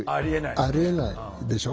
ありえないでしょ？